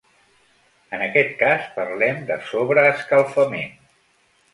En aquest cas parlem de sobreescalfament.